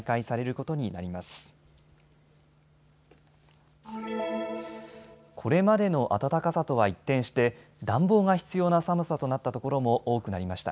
これまでの暖かさとは一転して暖房が必要な寒さとなったところも多くなりました。